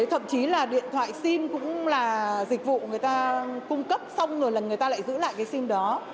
thậm chí là điện thoại sim cũng là dịch vụ người ta cung cấp xong rồi là người ta lại giữ lại cái sim đó